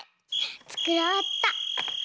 つくろうっと。